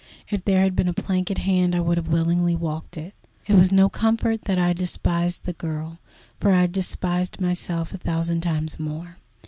If there had been a plank at hand I would willingly have walked it. It was no comfort that I despised the girl, for I despised myself a thousand times more.